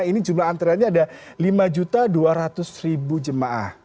ini jumlah antriannya ada lima dua ratus jemaah